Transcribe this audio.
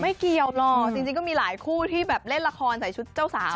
ไม่เกี่ยวหรอกจริงก็มีหลายคู่ที่แบบเล่นละครใส่ชุดเจ้าสาว